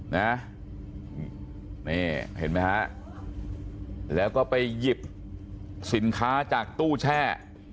นี่เห็นไหมฮะแล้วก็ไปหยิบสินค้าจากตู้แช่